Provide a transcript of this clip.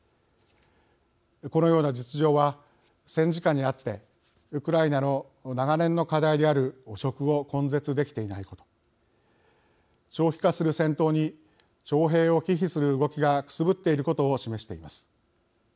このような実情は戦時下にあって、ウクライナの長年の課題である汚職を根絶できていないこと長期化する戦闘に徴兵を忌避する動きがくすぶっていることを示しています。